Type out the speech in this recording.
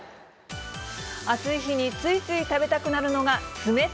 暑い日についつい食べたくな